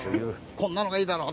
「こんなのがいいだろう」